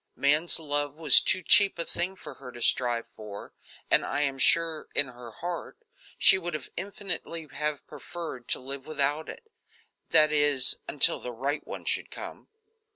Man's love was too cheap a thing for her to strive for, and I am sure, in her heart, she would infinitely have preferred to live without it that is, until the right one should come.